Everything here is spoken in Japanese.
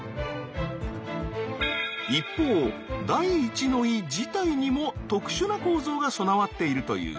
一方第一の胃自体にも特殊な構造が備わっているという。